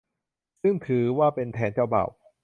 ซึ่งถือว่าเป็นแทนเจ้าบ่าว